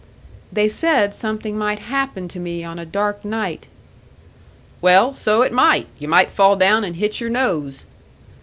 "They said something might happen to me on a dark night." "Well, so it might you might fall down and hit your nose."